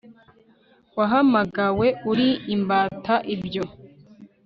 wahamagawe uri imbata Ibyo